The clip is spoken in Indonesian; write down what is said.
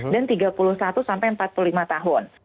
dan tiga puluh satu sampai empat puluh sembilan tahun